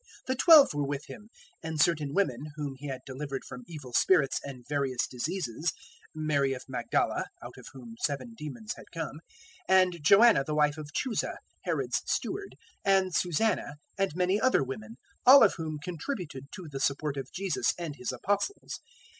The Twelve were with Him, 008:002 and certain women whom He had delivered from evil spirits and various diseases Mary of Magdala, out of whom seven demons had come, 008:003 and Joanna the wife of Chuza, Herod's steward, and Susanna, and many other women, all of whom contributed to the support of Jesus and His Apostles.